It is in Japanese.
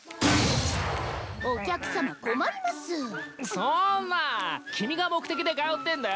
そんな君が目的で通ってんだよ。